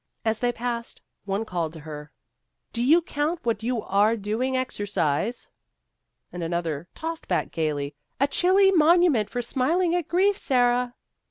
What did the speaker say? As they passed, one called to her, " Do you count what you are doing exercise ?" and another tossed back gayly, " A chilly monument for smiling at grief, Sara !